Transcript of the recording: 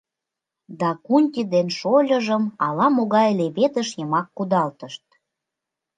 Дакунти ден шольыжым ала-могай леведыш йымак кудалтышт.